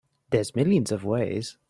There's millions of ways.